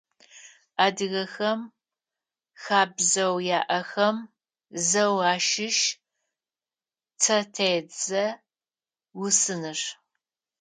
Адыгэхэм хабзэу яӀэхэм зэу ащыщ цӀэтедзэ усыныр.